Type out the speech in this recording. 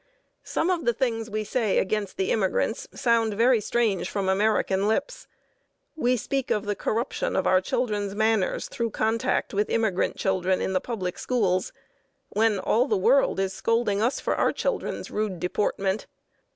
Some of the things we say against the immigrants sound very strange from American lips. We speak of the corruption of our children's manners through contact with immigrant children in the public schools, when all the world is scolding us for our children's rude deportment.